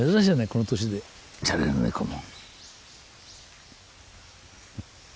この年でじゃれる猫も。